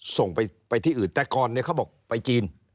ส่งไปที่อื่นแต่ก่อนเนี่ยเขาบอกไปจีน